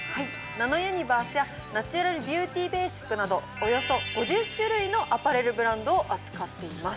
ナノ・ユニバースやナチュラルビューティーベーシックなどおよそ５０種類のアパレルブランドを扱っています。